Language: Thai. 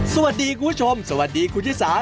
สวัสดีคุณผู้ชมสวัสดีคุณชิสา